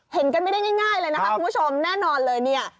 เห็นกันไม่ได้ง่ายเลยนะคะคุณผู้ชมแน่นอนเลยเนี่ย